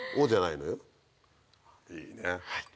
いいね。